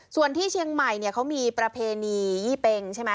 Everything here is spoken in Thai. ส่วนที่เชียงใหม่เขามีประเพณียี่เป็งใช่ไหม